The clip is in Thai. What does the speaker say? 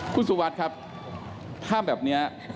คุณสุวัสครับถ้าแบบนี้